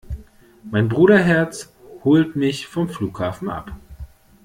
Mein Bruderherz holt mich vom Flughafen ab.